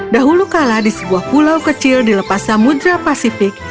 dahulu kala di sebuah pulau kecil di lepas samudera pasifik